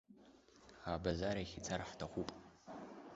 Абазар ахь ицар ҳҭахуп.